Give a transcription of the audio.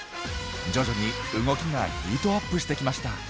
徐々に動きがヒートアップしてきました。